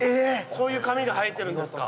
そういう髪が生えてるんですか。